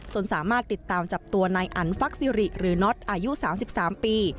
สามารถติดตามจับตัวนายอันฟักซิริหรือน็อตอายุ๓๓ปี